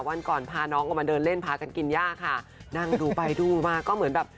วันก่อนพาน้องออกมาเดินเล่นพากันกินย่าค่ะนั่งดูไปดูมาก็เหมือนแบบ